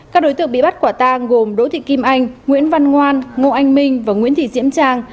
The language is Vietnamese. các đối tượng bị bắt quả tang gồm đỗ thị kim anh nguyễn văn ngoan ngô anh minh và nguyễn thị diễm trang